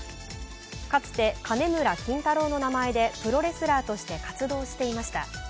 かつて金村キンタローの名前でプロレスラーとして活動していました。